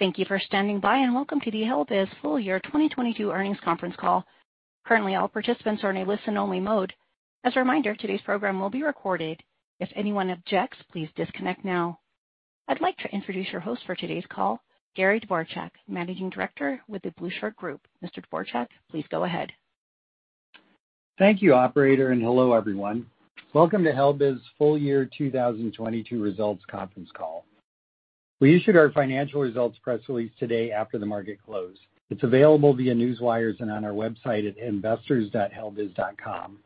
Thank you for standing by, and welcome to the Helbiz Full Year 2022 Earnings Conference Call. Currently, all participants are in a listen-only mode. As a reminder, today's program will be recorded. If anyone objects, please disconnect now. I'd like to introduce your host for today's call, Gary Dvorak, Managing Director with The Blueshirt Group. Mr. Dvorak, please go ahead. Thank you, operator, and hello, everyone. Welcome to Helbiz Full Year 2022 Results Conference Call. We issued our financial results press release today after the market closed. It's available via Newswires and on our website at investors.helbiz.com.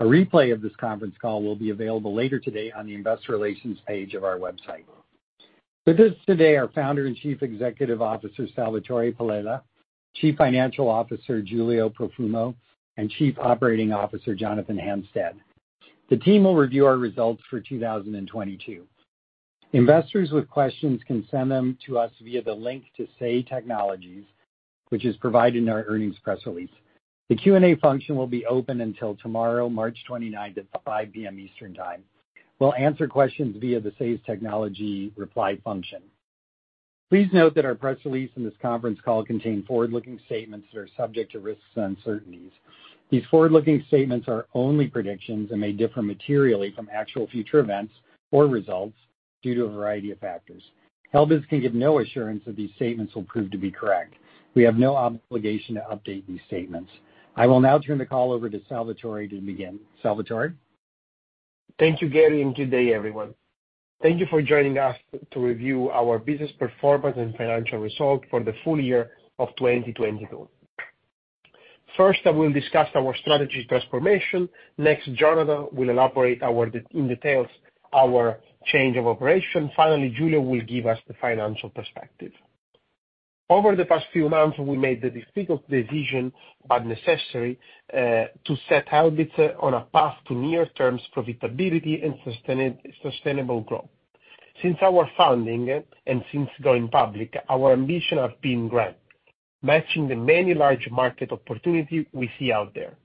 A replay of this conference call will be available later today on the investor relations page of our website. With us today are Founder and Chief Executive Officer, Salvatore Palella, Chief Financial Officer, Giulio Profumo, and Chief Operating Officer, Jonathan Hannestad. The team will review our results for 2022. Investors with questions can send them to us via the link to Say Technologies, which is provided in our earnings press release. The Q&A function will be open until tomorrow, March 29th at 5:00 P.M. Eastern Time. We'll answer questions via the Say Technology reply function. Please note that our press release and this conference call contain forward-looking statements that are subject to risks and uncertainties. These forward-looking statements are only predictions and may differ materially from actual future events or results due to a variety of factors. Helbiz can give no assurance that these statements will prove to be correct. We have no obligation to update these statements. I will now turn the call over to Salvatore to begin. Salvatore? Thank you, Gary, and good day, everyone. Thank you for joining us to review our business performance and financial results for the full year of 2022. First, I will discuss our strategy transformation. Next, Jonathan will elaborate our change of operation. Finally, Giulio will give us the financial perspective. Over the past few months, we made the difficult decision, but necessary, to set Helbiz on a path to near-term profitability and sustainable growth. Since our founding and since going public, our ambition have been grand, matching the many large market opportunities we see out there.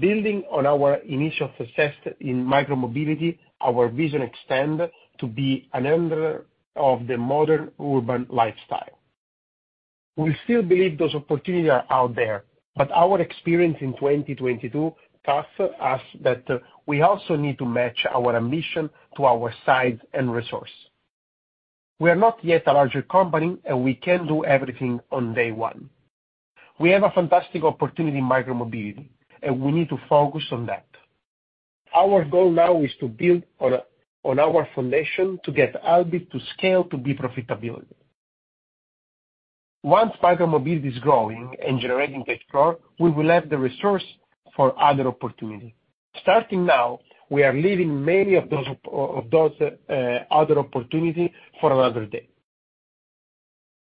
Building on our initial success in micromobility, our vision extend to be an enabler of the modern urban lifestyle. We still believe those opportunities are out there, but our experience in 2022 taught us that we also need to match our ambition to our size and resource. We are not yet a larger company, and we can't do everything on day one. We have a fantastic opportunity in micromobility, and we need to focus on that. Our goal now is to build on our foundation to get Helbiz to scale to be profitability. Once micromobility is growing and generating cash flow, we will have the resource for other opportunities. Starting now, we are leaving many of those of those other opportunities for another day.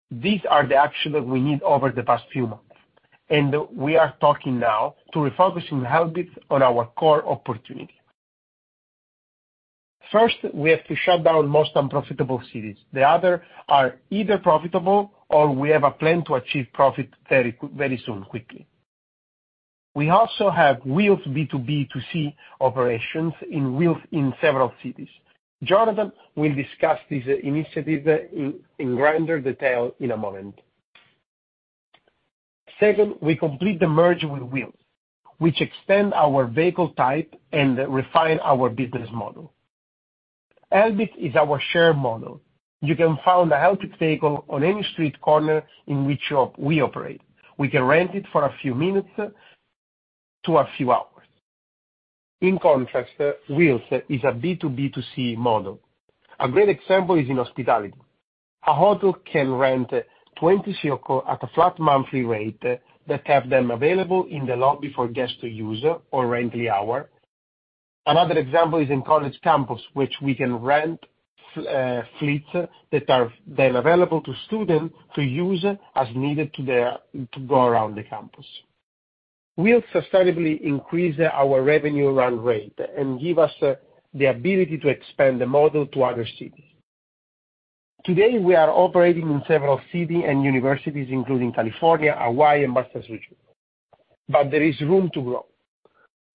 These are the actions that we need over the past few months, and we are talking now to refocusing Helbiz on our core opportunity. First, we have to shut down most unprofitable cities. The other are either profitable or we have a plan to achieve profit very soon, quickly. We also have Wheels B2B2C operations in Wheels in several cities. Jonathan will discuss this initiative in greater detail in a moment. Second, we complete the merge with Wheels, which extend our vehicle type and refine our business model. Helbiz is our share model. You can find a Helbiz vehicle on any street corner in which we operate. We can rent it for a few minutes to a few hours. In contrast, Wheels is a B2B2C model. A great example is in hospitality. A hotel can rent 20 vehicles at a flat monthly rate that have them available in the lobby for guests to use or rent the hour. Another example is in college campus, which we can rent fleets that are then available to students to use as needed to go around the campus. We have sustainably increased our revenue run rate and give us the ability to expand the model to other cities. Today, we are operating in several cities and universities, including California, Hawaii, and Massachusetts, there is room to grow.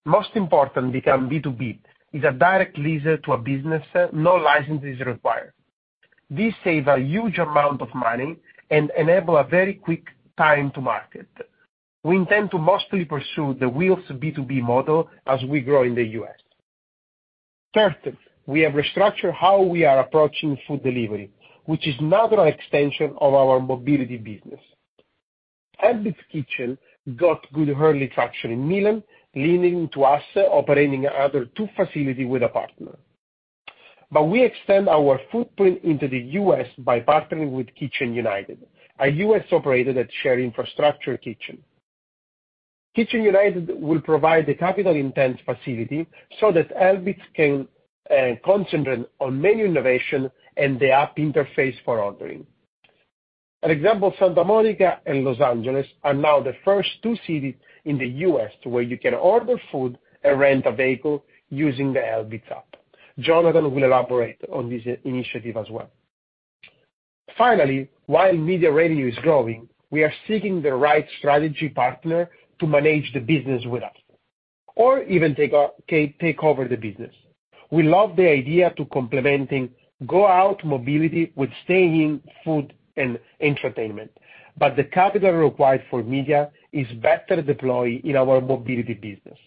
Most important, become B2B is a direct lease to a business, no license is required. This save a huge amount of money and enable a very quick time to market. We intend to mostly pursue the Wheels B2B model as we grow in the U.S. Third, we have restructured how we are approaching food delivery, which is now an extension of our mobility business. Helbiz Kitchen got good early traction in Milan, leading to us operating other two facility with a partner. We extend our footprint into the U.S. by partnering with Kitchen United, a U.S. operator that share infrastructure kitchen. Kitchen United will provide the capital-intensive facility so that Helbiz can concentrate on menu innovation and the app interface for ordering. An example, Santa Monica and Los Angeles are now the first two cities in the U.S. where you can order food and rent a vehicle using the Helbiz app. Jonathan will elaborate on this initiative as well. Finally, while media revenue is growing, we are seeking the right strategy partner to manage the business with us. Even take over the business. We love the idea to complementing go out mobility with stay in food and entertainment, but the capital required for media is better deployed in our mobility business.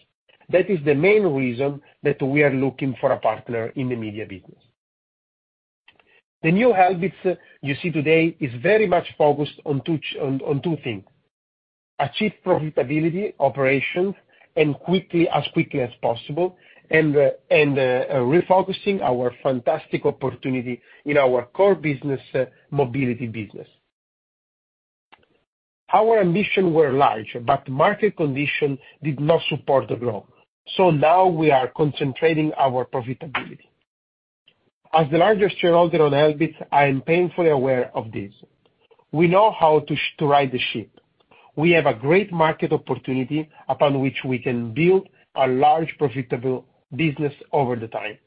That is the main reason that we are looking for a partner in the media business. The new Helbiz you see today is very much focused on two things: achieve profitability operations and quickly, as quickly as possible, and refocusing our fantastic opportunity in our core business, mobility business. Our ambition were large, market condition did not support the growth. Now we are concentrating our profitability. As the largest shareholder on Helbiz, I am painfully aware of this. We know how to ride the ship. We have a great market opportunity upon which we can build a large profitable business over the time.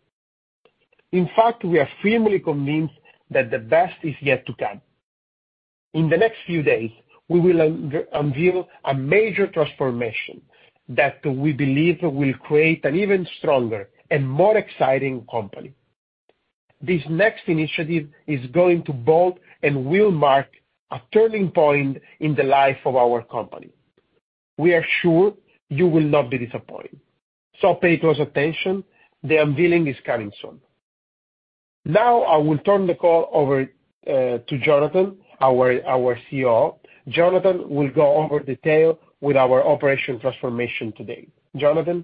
In fact, we are firmly convinced that the best is yet to come. In the next few days, we will unveil a major transformation that we believe will create an even stronger and more exciting company. This next initiative is going to bold and will mark a turning point in the life of our company. We are sure you will not be disappointed. Pay close attention. The unveiling is coming soon. Now I will turn the call over to Jonathan, our COO. Jonathan will go over detail with our operation transformation today. Jonathan?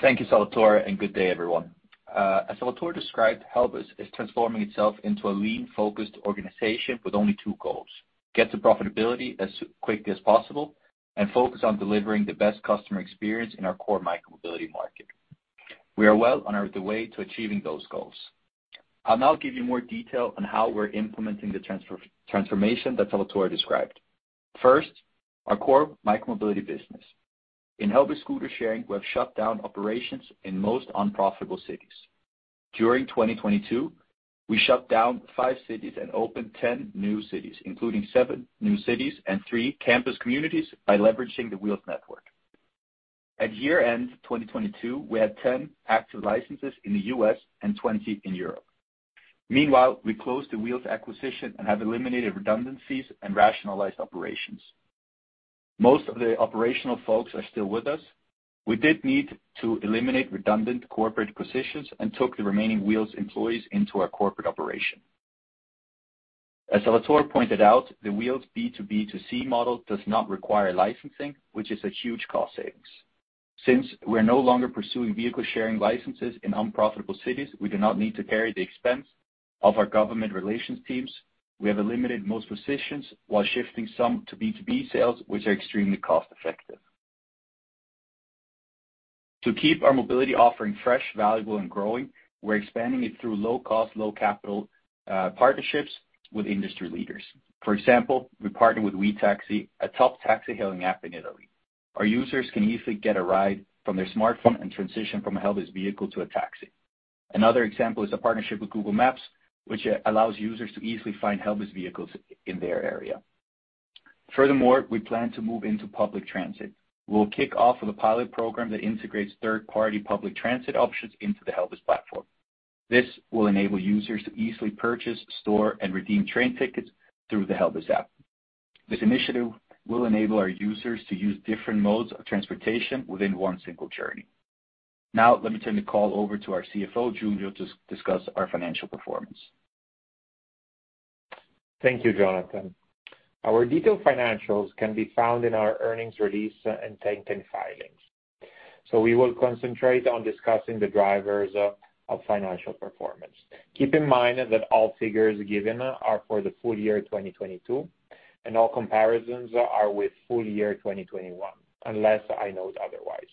Thank you, Salvatore, and good day, everyone. As Salvatore described, Helbiz is transforming itself into a lean, focused organization with only two goals: get to profitability as quickly as possible, and focus on delivering the best customer experience in our core micromobility market. We are well on our the way to achieving those goals. I'll now give you more detail on how we're implementing the transformation that Salvatore described. First, our core micromobility business. In Helbiz scooter sharing, we have shut down operations in most unprofitable cities. During 2022, we shut down five cities and opened 10 new cities, including seven new cities and three campus communities by leveraging the Wheels network. At year-end 2022, we had 10 active licenses in the U.S. and 20 in Europe. Meanwhile, we closed the Wheels acquisition and have eliminated redundancies and rationalized operations. Most of the operational folks are still with us. We did need to eliminate redundant corporate positions and took the remaining Wheels employees into our corporate operation. As Salvatore Palella pointed out, the Wheels B2B2C model does not require licensing, which is a huge cost savings. Since we're no longer pursuing vehicle-sharing licenses in unprofitable cities, we do not need to carry the expense of our government relations teams. We have eliminated most positions while shifting some to B2B sales, which are extremely cost-effective. To keep our micromobility offering fresh, valuable, and growing, we're expanding it through low cost, low capital partnerships with industry leaders. For example, we partner with Wetaxi, a top taxi hailing app in Italy. Our users can easily get a ride from their smartphone and transition from a Helbiz vehicle to a taxi. Another example is a partnership with Google Maps, which allows users to easily find Helbiz vehicles in their area. Furthermore, we plan to move into public transit. We'll kick off with a pilot program that integrates third-party public transit options into the Helbiz platform. This will enable users to easily purchase, store, and redeem train tickets through the Helbiz app. This initiative will enable our users to use different modes of transportation within one single journey. Let me turn the call over to our CFO, Giulio, to discuss our financial performance. Thank you, Jonathan. Our detailed financials can be found in our earnings release and Form 10-K filings. We will concentrate on discussing the drivers of financial performance. Keep in mind that all figures given are for the full year 2022, and all comparisons are with full year 2021, unless I note otherwise.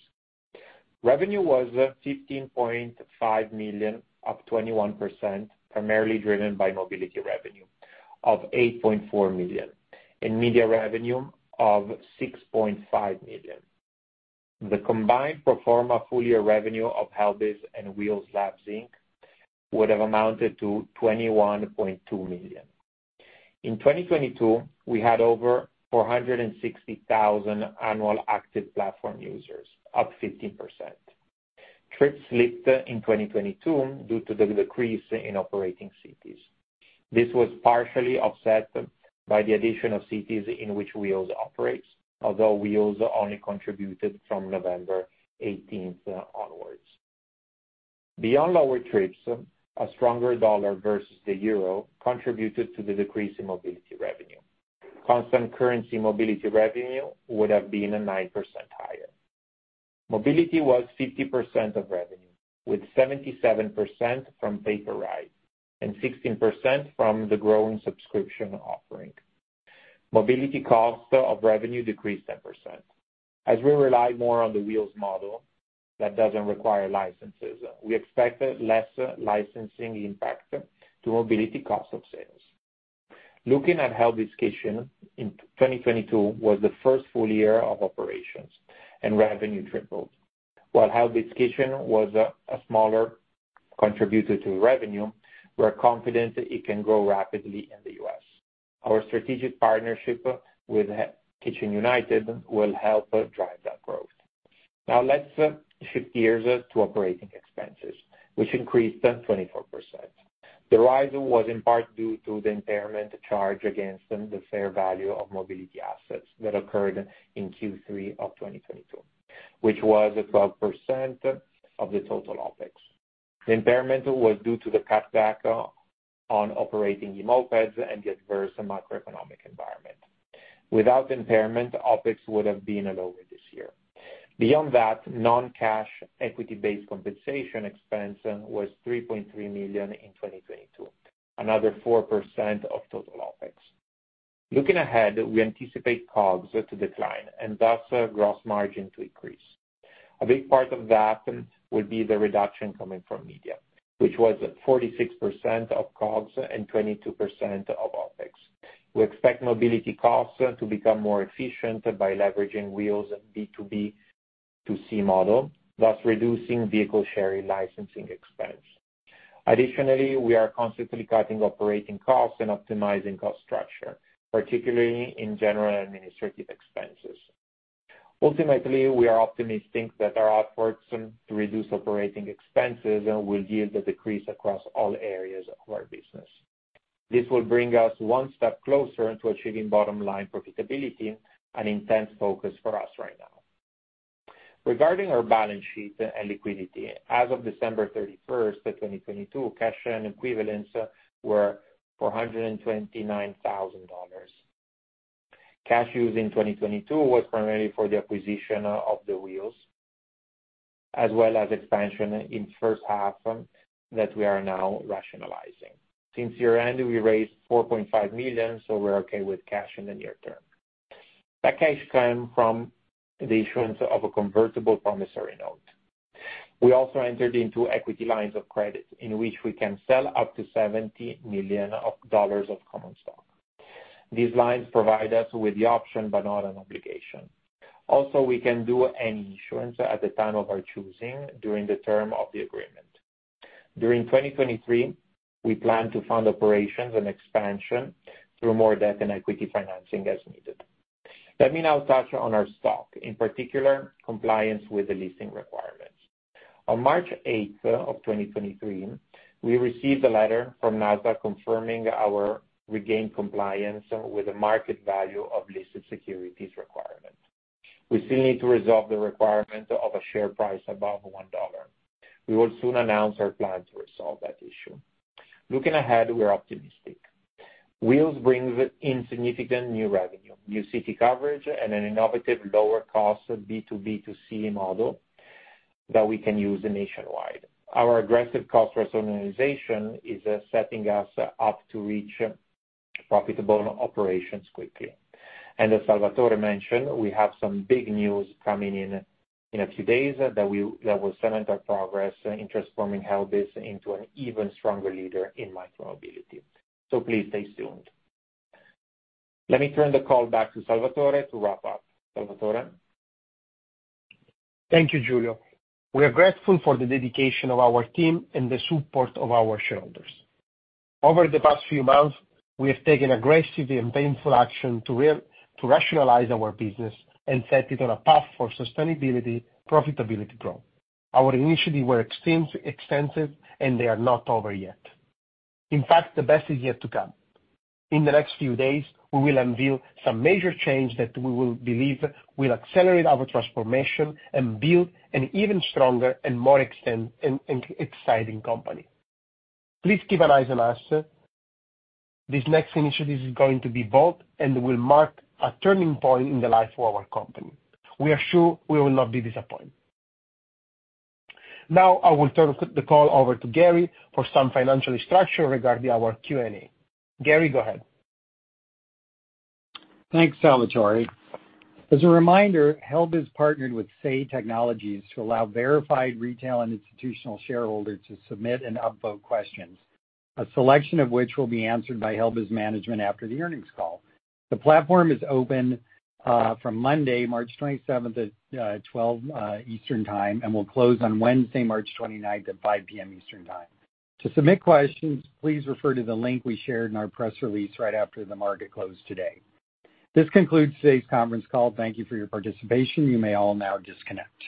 Revenue was $15.5 million, up 21%, primarily driven by mobility revenue of $8.4 million and media revenue of $6.5 million. The combined pro forma full year revenue of Helbiz and Wheels Labs, Inc. would have amounted to $21.2 million. In 2022, we had over 460,000 annual active platform users, up 15%. Trips slipped in 2022 due to the decrease in operating cities. This was partially offset by the addition of cities in which Wheels operates, although Wheels only contributed from November 18th onwards. Beyond lower trips, a stronger dollar versus the EUR contributed to the decrease in mobility revenue. Constant currency mobility revenue would have been 9% higher. Mobility was 50% of revenue, with 77% from pay-per-ride and 16% from the growing subscription offering. Mobility cost of revenue decreased 10%. As we rely more on the Wheels model that doesn't require licenses, we expect less licensing impact to mobility cost of sales. Looking at Helbiz Kitchen, 2022 was the first full year of operations, and revenue tripled. While Helbiz Kitchen was a smaller contributed to revenue, we're confident it can grow rapidly in the U.S. Our strategic partnership with Kitchen United will help drive that growth. Let's shift gears to operating expenses, which increased 24%. The rise was in part due to the impairment charge against the fair value of mobility assets that occurred in Q3 of 2022, which was about 12% of the total OpEx. The impairment was due to the cutback on operating e-mopeds and the adverse macroeconomic environment. Without the impairment, OpEx would have been lower this year. Beyond that, non-cash equity-based compensation expense was $3.3 million in 2022, another 4% of total OpEx. Looking ahead, we anticipate COGS to decline and thus gross margin to increase. A big part of that would be the reduction coming from media, which was 46% of COGS and 22% of OpEx. We expect mobility costs to become more efficient by leveraging Wheels B2B2C model, thus reducing vehicle sharing licensing expense. Additionally, we are constantly cutting operating costs and optimizing cost structure, particularly in general administrative expenses. Ultimately, we are optimistic that our efforts to reduce operating expenses will yield a decrease across all areas of our business. This will bring us one step closer to achieving bottom-line profitability, an intense focus for us right now. Regarding our balance sheet and liquidity, as of December 31st, 2022, cash and equivalents were $429,000. Cash used in 2022 was primarily for the acquisition of the Wheels, as well as expansion in first half that we are now rationalizing. Since year-end, we raised $4.5 million. We're okay with cash in the near term. That cash came from the issuance of a convertible promissory note. We also entered into equity lines of credit in which we can sell up to $70 million of common stock. These lines provide us with the option but not an obligation. We can do any issuance at the time of our choosing during the term of the agreement. During 2023, we plan to fund operations and expansion through more debt and equity financing as needed. Let me now touch on our stock, in particular, compliance with the listing requirements. On March 8th, 2023, we received a letter from Nasdaq confirming our regained compliance with the market value of listed securities requirements. We still need to resolve the requirement of a share price above $1. We will soon announce our plan to resolve that issue. Looking ahead, we're optimistic. Wheels brings in significant new revenue, new city coverage, and an innovative lower cost B2B2C model that we can use nationwide. Our aggressive cost rationalization is setting us up to reach profitable operations quickly. As Salvatore mentioned, we have some big news coming in a few days that will cement our progress in transforming Helbiz into an even stronger leader in micromobility. Please stay tuned. Let me turn the call back to Salvatore to wrap up. Salvatore? Thank you, Giulio. We are grateful for the dedication of our team and the support of our shareholders. Over the past few months, we have taken aggressive and painful action to rationalize our business and set it on a path for sustainability, profitability growth. Our initiatives were extensive, and they are not over yet. In fact, the best is yet to come. In the next few days, we will unveil some major change that we believe will accelerate our transformation and build an even stronger and more exciting company. Please keep an eye on us. This next initiative is going to be bold and will mark a turning point in the life of our company. We are sure we will not be disappointed. Now I will turn the call over to Gary for some financial structure regarding our Q&A. Gary, go ahead. Thanks, Salvatore. As a reminder, Helbiz partnered with Say Technologies to allow verified retail and institutional shareholders to submit and upvote questions, a selection of which will be answered by Helbiz management after the earnings call. The platform is open from Monday, March 27th at 12:00 P.M. Eastern Time and will close on Wednesday, March 29th at 5:00 P.M. Eastern Time. To submit questions, please refer to the link we shared in our press release right after the market closed today. This concludes today's conference call. Thank you for your participation. You may all now disconnect.